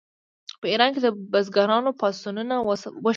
په ایران کې د بزګرانو پاڅونونه وشول.